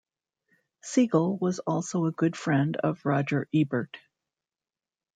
Siegel was also a good friend of Roger Ebert.